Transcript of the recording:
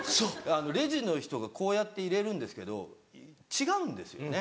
レジの人がこうやって入れるんですけど違うんですよね